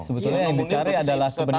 sebetulnya yang dicari adalah